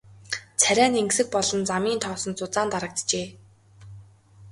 Царай нь энгэсэг болон замын тоосонд зузаан дарагджээ.